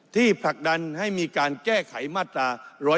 ผลักดันให้มีการแก้ไขมาตรา๑๑๒